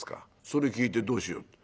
「それ聞いてどうしようと」。